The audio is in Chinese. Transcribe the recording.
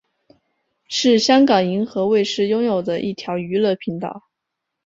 是香港银河卫视拥有的一条娱乐频道。